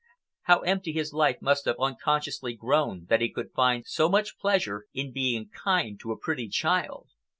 How empty his life must have unconsciously grown that he could find so much pleasure in being kind to a pretty child!